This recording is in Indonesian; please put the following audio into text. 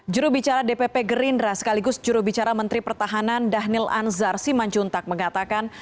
jurubicara dpp gerindra sekaligus jurubicara menteri pertahanan dhanil anzar simanjuntak mengatakan